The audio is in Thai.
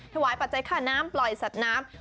ปัจจัยค่าน้ำปล่อยสัตว์น้ำ